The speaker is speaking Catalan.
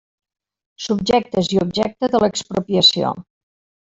Subjectes i objecte de l'expropiació.